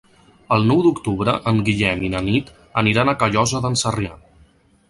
El nou d'octubre en Guillem i na Nit aniran a Callosa d'en Sarrià.